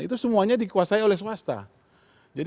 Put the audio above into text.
itu semuanya dikuasai oleh swasta